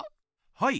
はい。